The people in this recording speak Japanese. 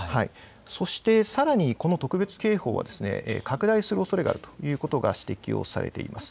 そしてさらに特別警報は拡大するおそれがあるということが指摘をされています。